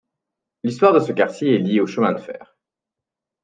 L'histoire de ce quartier est lié au chemin de fer.